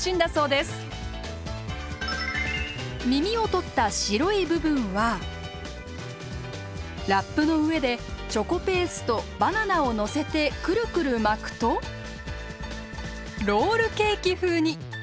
みみを取った白い部分はラップの上でチョコペーストバナナをのせてくるくる巻くとロールケーキ風に。